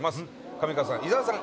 上川さん、井澤さん